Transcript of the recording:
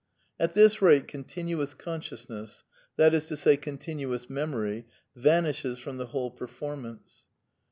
At this rate continuous consciousness, that is to say, continuous memory, vanishes from the whole per formance.